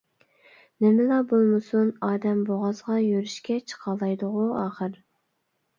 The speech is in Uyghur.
نېمىلا بولمىسۇن ئادەم بوغازغا يۈرۈشكە چىقالايدىغۇ ئاخىر.